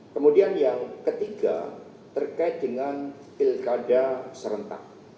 kemudian yang ketiga terkait dengan pilkada serentak